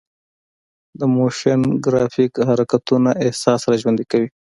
د موشن ګرافیک حرکتونه احساس راژوندي کوي.